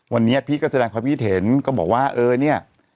วันนี้พี่ก็แสดงความคิดเห็นก็บอกว่าเออเนี่ย